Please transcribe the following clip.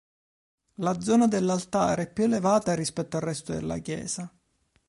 La zona dell'altare è più elevata rispetto al resto della chiesa.